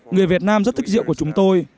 người việt nam rất thích rượu của chúng tôi